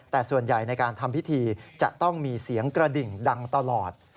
แต่ส่วนใหญ่ในการทำพิธีจะต้องมีเสียงกระดิ่งดังตลอด